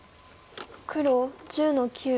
黒１０の九。